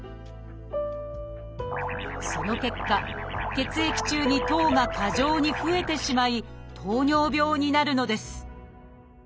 その結果血液中に糖が過剰に増えてしまい糖尿病になるのです。